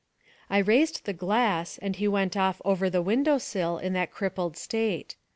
I raised the glass, and he went off over the window sill in that crippled state.